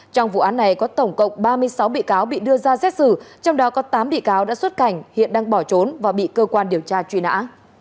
trong vụ án này có tổng cộng ba mươi sáu bị cáo bị đưa ra xét xử trong đó có tám bị cáo đã xuất cảnh hiện đang bỏ trốn và bị cơ quan điều tra truy nã